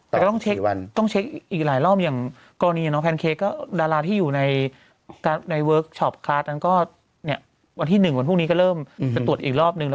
มันจะต้องตรวจยังน้อยก่อนจะรู้จริงอย่างนี้สามครั้งนะ